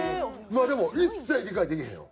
でも一切理解できへんよ。